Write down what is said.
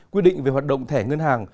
quy định về hoạt động thẻ ngân hàng